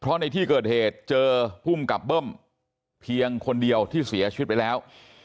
เพราะในที่เกิดเหตุเจอภูมิกับเบิ้มเพียงคนเดียวที่เสียชีวิตไปแล้ว